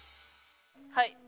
はい。